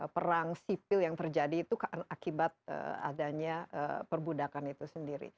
perang sipil yang terjadi itu akibat adanya perbudakan itu sendiri